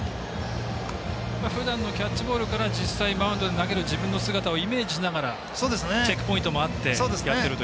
ふだんのキャッチボールから実際にマウンドで投げる自分の姿をイメージしながらチェックポイントもあってやっていると。